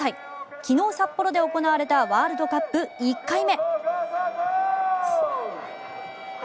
昨日札幌で行われたワールドカップ、１回目。